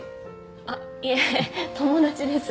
あっいえ友達です。